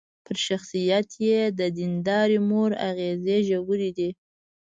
پر شخصيت يې د ديندارې مور اغېزې ژورې دي.